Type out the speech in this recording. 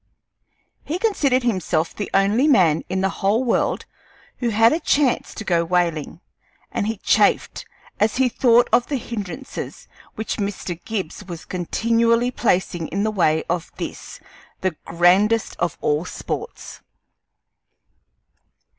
He considered himself the only man in the whole world who had a chance to go whaling, and he chafed as he thought of the hindrances which Mr. Gibbs was continually placing in the way of this, the grandest of all sports.